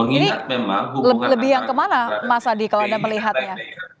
ini lebih yang kemana mas adi kalau anda melihatnya